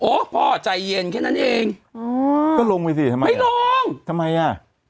พ่อใจเย็นแค่นั้นเองอ๋อก็ลงไปสิทำไมไม่ลงทำไมอ่ะ